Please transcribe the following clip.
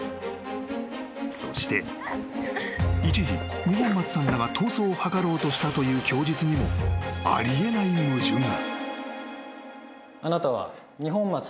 ［そして一時二本松さんらが逃走を図ろうとしたという供述にもあり得ない矛盾が］